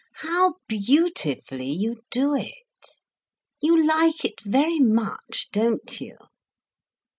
How beautifully you do it! You like it very much, don't you?"